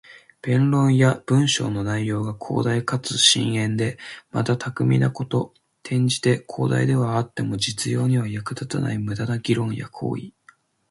弁論や文章の内容が広大かつ深遠で、また巧みなこと。転じて、広大ではあっても実用には役立たない無駄な議論や行為。